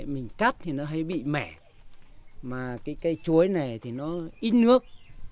mình cắt thì nó bị mẻ mà cây chuối này thì nó ít nước